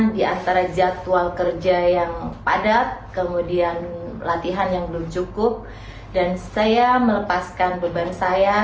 di antara jadwal kerja yang padat kemudian latihan yang belum cukup dan saya melepaskan beban saya